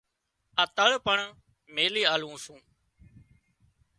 آ تۯ پڻ ميلي آلوون سون